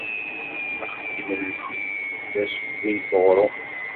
Axeddim-nsen d assewwi n weɣrum.